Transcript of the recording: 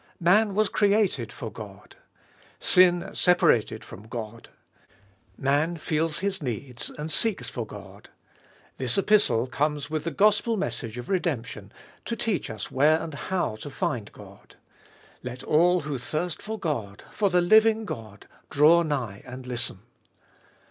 Man was created for God. Sin separated from God. Man feels his need, and seeks for God. This Epistle comes with the gospel message of re demption, to teach us where and how to find God. Let all who thirst for God, for the living God, draw nigh and listen.